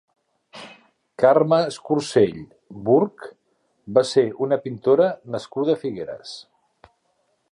Carme Escursell Burch va ser una pintora nascuda a Figueres.